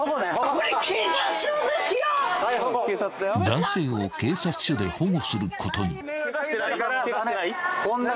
［男性を警察署で保護することに］